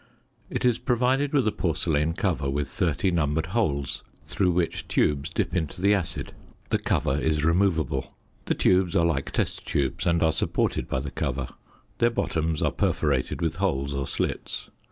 It is provided with a porcelain cover with 30 numbered holes through which tubes dip into the acid. The cover is removable. The tubes are like test tubes and are supported by the cover; their bottoms are perforated with holes or slits.